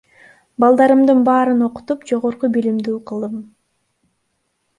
Балдарымдын баарын окутуп жогорку билимдүү кылдым.